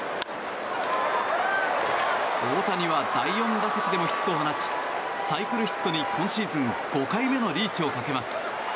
大谷は第４打席でもヒットを放ちサイクルヒットに今シーズン５回目のリーチをかけます。